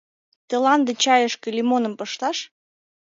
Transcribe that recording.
— Тыланда чайышке лимоным пышташ?